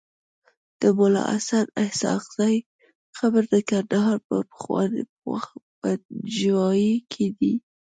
د ملاحسناسحاقزی قبر دکندهار په پنجوايي کیدی